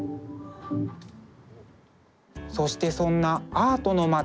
そしてそんなアートの街